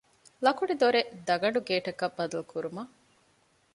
ލަކުޑިދޮރެއް ދަގަނޑުގޭޓަކަށް ބަދަލުކުރުމަށް